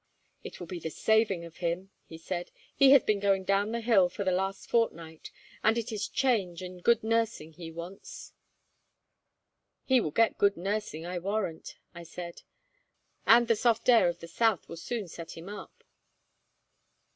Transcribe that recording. "It will be the saving of him," he said. "He has been going down the hill for the last fortnight, and it is change and good nursing he wants." "He will get good nursing, I warrant," I said, "and the soft air of the south will soon set him up."